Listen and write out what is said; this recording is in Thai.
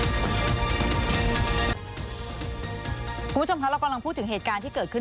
คุณผู้ชมคะเรากำลังพูดถึงเหตุการณ์ที่เกิดขึ้น